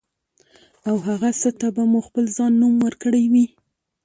او هغه څه ته به مو خپل ځان نوم ورکړی وي.